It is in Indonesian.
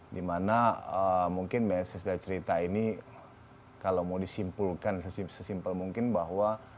dimana mungkin mesej dan cerita ini kalau mau disimpulkan sesimpel mungkin bahwa